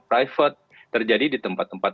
private terjadi di tempat tempat